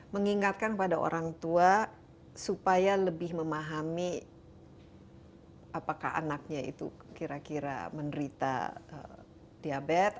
mengingatkan pada orang tua supaya lebih memahami apakah anaknya itu kira kira menderita diabetes